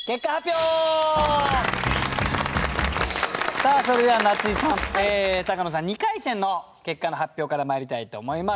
さあそれでは夏井さん高野さん二回戦の結果の発表からまいりたいと思います。